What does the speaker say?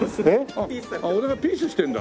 あっ俺がピースしてるんだ。